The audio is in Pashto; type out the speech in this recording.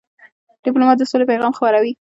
ډيپلومات د سولې پیغام خپروي.